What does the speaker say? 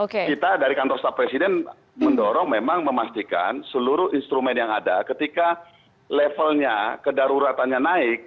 kita dari kantor staf presiden mendorong memang memastikan seluruh instrumen yang ada ketika levelnya kedaruratannya naik